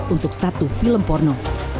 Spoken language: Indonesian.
untuk satu film porno